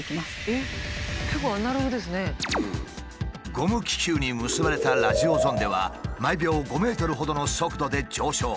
ゴム気球に結ばれたラジオゾンデは毎秒５ｍほどの速度で上昇。